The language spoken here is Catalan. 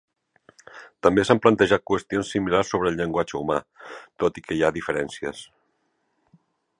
També s'han plantejat qüestions similars sobre el llenguatge humà, tot i que hi ha diferències.